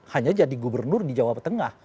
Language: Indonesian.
hanya jadi gubernur di jawa tengah